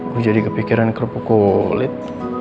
gue jadi kepikiran kerupuk kulit